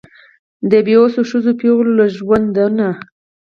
د بېوسو ښځو پېغلو له ژوندونه